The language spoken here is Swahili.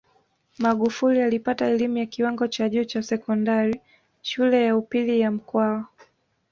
Magufuli alipata elimu ya kiwango cha juu cha sekondari Shule ya Upili ya Mkwawa